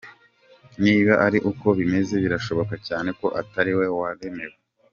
Niba ari uko bimeze birashoboka cyane ko Atari we waremewe.